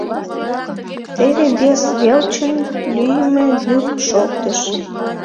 Теве вес велчын лӱйымӧ йӱк шоктыш.